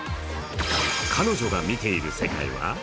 彼女が見ている世界は？